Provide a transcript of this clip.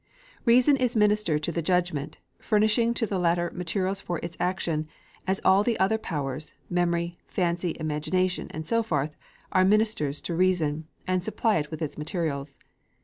Reason is minister to the judgment, furnishing to the latter materials for its action, as all the other powers, memory, fancy, imagination, and so forth, are ministers to reason, and supply it with its materials.